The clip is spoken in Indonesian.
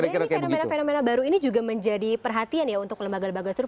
jadi fenomena fenomena baru ini juga menjadi perhatian ya untuk lembaga lembaga survei